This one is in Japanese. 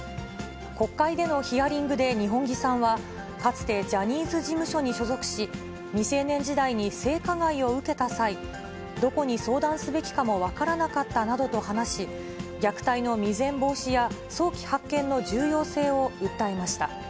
国会でのヒアリングで二本樹さんは、かつて、ジャニーズ事務所に所属し、未成年時代に性加害を受けた際、どこに相談すべきかも分からなかったなどと話し、虐待の未然防止や早期発見の重要性を訴えました。